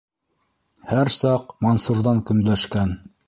Һәр саҡ Мансурҙан көнләшкән.